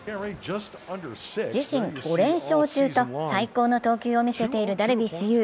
自身５連勝中と最高の投球を見せているダルビッシュ有。